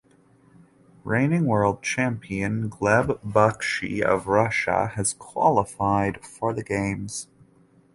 Reigning World Champion Gleb Bakshi of Russia has qualified for the Games.